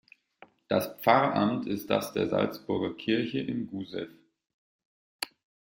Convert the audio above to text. Das Pfarramt ist das der Salzburger Kirche in Gussew.